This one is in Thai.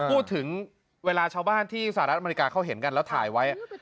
พูดถึงเวลาชาวบ้านที่สหรัฐอเมริกาเขาเห็นกันแล้วถ่ายไว้